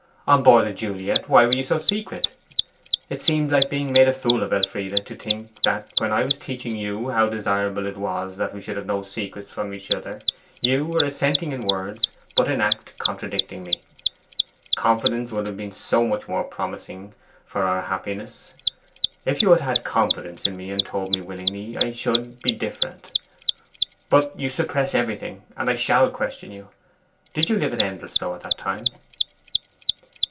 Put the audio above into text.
On board the Juliet, why were you so secret? It seems like being made a fool of, Elfride, to think that, when I was teaching you how desirable it was that we should have no secrets from each other, you were assenting in words, but in act contradicting me. Confidence would have been so much more promising for our happiness. If you had had confidence in me, and told me willingly, I should be different. But you suppress everything, and I shall question you. Did you live at Endelstow at that time?